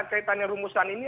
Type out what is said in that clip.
kaitannya rumusan ini